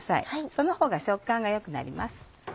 そのほうが食感が良くなります。